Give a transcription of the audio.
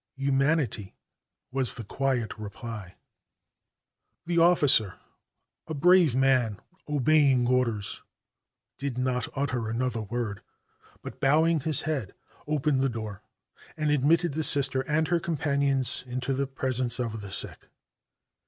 "Humanity!" was the quiet reply. The officer a brave man obeying orders did not utter another word, but bowing his head opened the door and admitted the Sister and her companions into the presence of the sick.